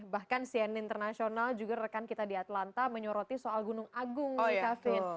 bahkan cnn international juga rekan kita di atlanta menyoroti soal gunung agung di kevin